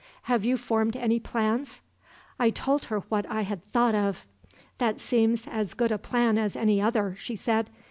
Have you formed any plans?' "I told her what I had thought of. "'That seems as good a plan as any other,' she said.